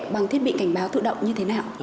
bằng thiết bị cảnh báo tự động như thế nào